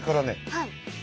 はい。